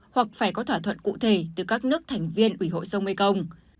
hoặc phải có thỏa thuận cụ thể từ các nước thành viên ủy hội sông mê công